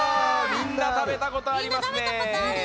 みんなたべたことあるね！